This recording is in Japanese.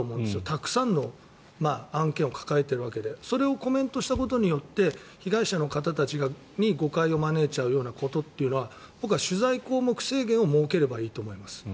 たくさんの案件を抱えているわけでそれをコメントしたことによって被害者の方たちに誤解を招いちゃうようなことって僕は取材項目制限を設ければいいと思います。